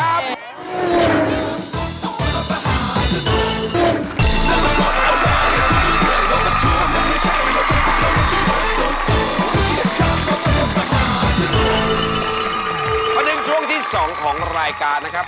เพราะดึงช่วงที่๒ของรายการนักครับ